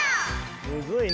むずいね